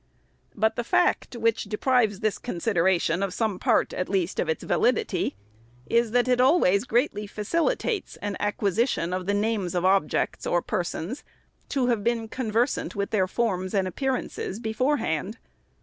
But the fact, which deprives this consideration of some part at least of its validity, is, that it always greatly facilitates an acquisition of the names of objects, or persons, to have been conversant with their forms and appearances beforehand.